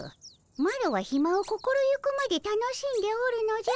マロはひまを心ゆくまで楽しんでおるのじゃ。